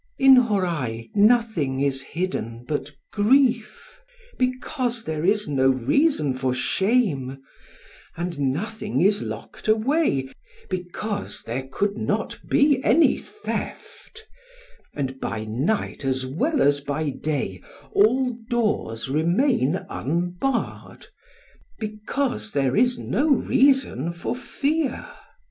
In Hōrai nothing is hidden but grief, because there is no reason for shame;—and nothing is locked away, because there could not be any theft;—and by night as well as by day all doors remain unbarred, because there is no reason for fear.